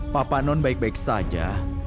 papa non baik baik saja